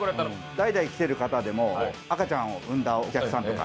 代々来てる方でも赤ちゃんを産んだお客さんとか。